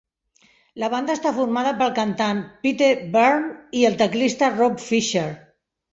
La banda està formada pel cantant Pete Byrne i el teclista Rob Fisher.